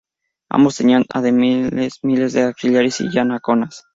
Ambos tenían además miles de auxiliares yanaconas.